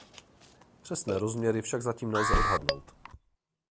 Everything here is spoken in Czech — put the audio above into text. Přesné rozměry však zatím nelze odhadnout.